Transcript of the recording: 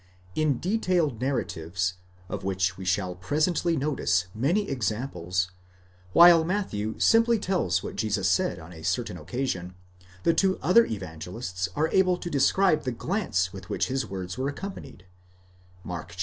In detailed narratives, of which we shall presently notice many examples, while Matthew simply tells what Jesus said on a certain occasion, the two other Evangelists are able to describe the glance with which his words were accompanied (Mark iii.